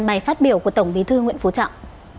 bài phát biểu của tổng bí thư nguyễn phú trọng